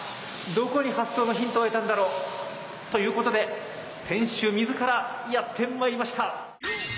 どこに発想のヒントを得たんだろう。ということで店主自らやって参りました！